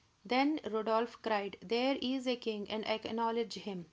Then Rodolph cried: "There is a king, and I acknowledge him!